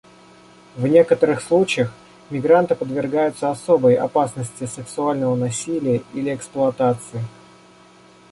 В некоторых случаях мигранты подвергаются особой опасности сексуального насилия или эксплуатации.